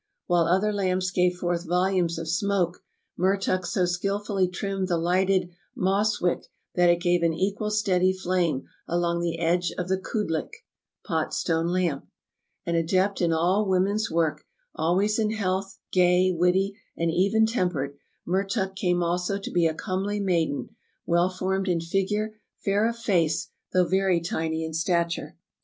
While other lamps gave forth voldmts of smoke, Mertuk so skilfully trimmed the lighted moss wick that it gave an equal steady flame along the fdge of the koodlik (pot stone lamp). An adept in all woman's work, always in health, gay, witty and even tempered, Mertuk came also to be a comely maiden — well formed in figure, fair of face, though very tiny in stature.